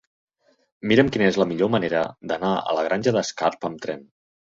Mira'm quina és la millor manera d'anar a la Granja d'Escarp amb tren.